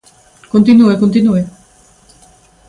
Continúe, continúe.